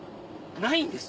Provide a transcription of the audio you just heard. ないんです。